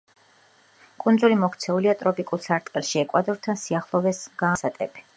კუნძული მოქცეულია ტროპიკულ სარტყელში, ეკვატორთან სიახლოვეს გამ აქ არის მუდმივი პასატები.